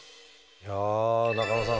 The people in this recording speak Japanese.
いや中野さん